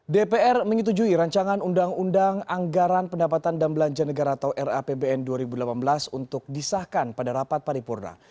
dpr menyetujui rancangan undang undang anggaran pendapatan dan belanja negara atau rapbn dua ribu delapan belas untuk disahkan pada rapat paripurna